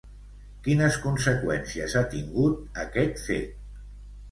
Quines conseqüències ha tingut, aquest fet?